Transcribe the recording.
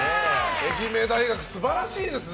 愛媛大学、素晴らしいですね。